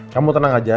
kamu tenang aja